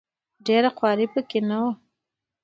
ډېره خواري په کې نه وه.